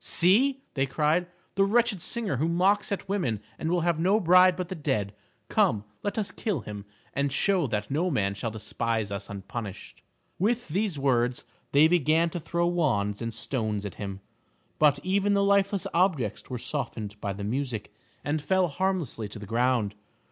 "See," they cried, "the wretched singer who mocks at women and will have no bride but the dead. Come, let us kill him, and show that no man shall despise us unpunished." With these words they began to throw wands and stones at him, but even the lifeless objects were softened by the music, and fell harmlessly to the ground.